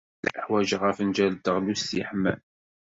Ḥwajeɣ afenjal n teɣlust yeḥman.